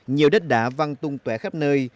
nhiều đất đá văng tung tué khắp nơi